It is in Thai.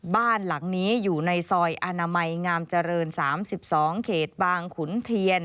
บ้านหลังนี้อยู่ในซอยอนามัยงามเจริญ๓๒เขตบางขุนเทียน